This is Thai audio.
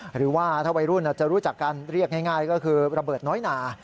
หรือว่าถ้าวัยรุ่นจะรู้จักกันเรียกง่ายก็คือระเบิดน้อยหนา